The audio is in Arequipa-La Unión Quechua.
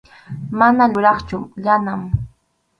Mana yuraqchu Yanam.